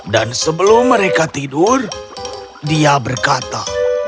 dan sebelum mereka tidur dia berkata